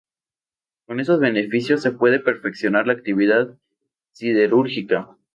Con estos beneficios, se puede perfeccionar la actividad siderúrgica.